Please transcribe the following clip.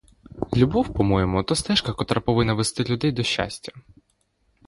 Любов, по-моєму, то стежка, котра повинна вести людей до щастя.